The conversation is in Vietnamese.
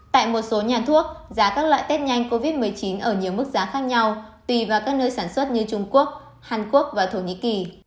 tại một số nhà thuốc giá các loại test nhanh covid một mươi chín ở nhiều mức giá khác nhau tùy vào các nơi sản xuất như trung quốc hàn quốc và thổ nhĩ kỳ